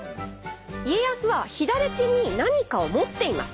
家康は左手に何かを持っています。